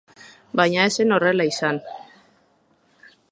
Baina ez zen horrela izan.